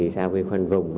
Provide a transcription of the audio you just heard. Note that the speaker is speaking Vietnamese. sau khi khoanh vùng